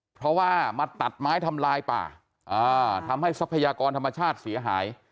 เพราะว่ามาตัดไม้ทำลายป่าทำให้ทรัพยากรธรรมชาติเสียหาย